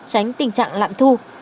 tránh tình trạng lạm thu